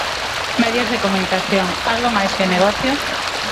Medios de comunicación, ¿algo máis que negocio?